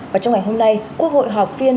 và trong ngày hôm nay quốc hội họp phiên